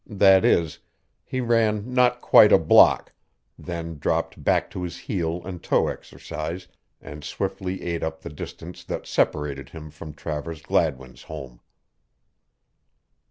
That is, he ran not quite a block, then dropped back to his heel and toe exercise and swiftly ate up the distance that separated him from Travers Gladwin's home.